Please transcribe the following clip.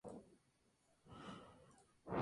No se esperaba que dirigiera las nuevas películas.